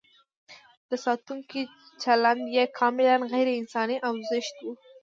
د ساتونکو چلند یې کاملاً غیر انساني او زشت و.